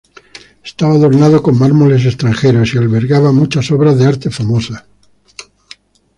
Estaba adornado con mármoles extranjeros, y albergaba muchas obras de arte famosas.